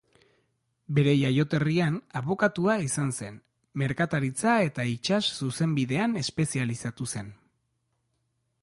Bere jaioterrian abokatua izan zen, merkataritza- eta itsas-zuzenbidean espezializatu zen.